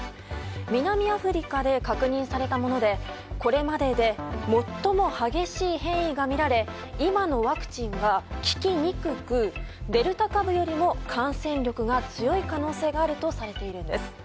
南アフリカで確認されたものでこれまでで最も激しい変異が見られ今のワクチンが効きにくくデルタ株よりも感染力が強い可能性があるとされているんです。